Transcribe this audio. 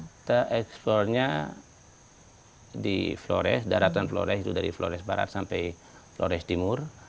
kita eksplornya di flores daratan flores itu dari flores barat sampai flores timur